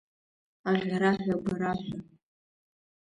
Аӷьараҳәа, агәараҳәа.